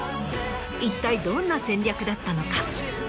一体どんな戦略だったのか？